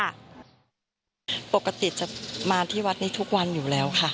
ปกติจะมาที่วัดนี้ทุกวันอยู่แล้วค่ะ